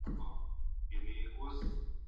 اقتصادي پرمختيا د ژوند کچه لوړوي.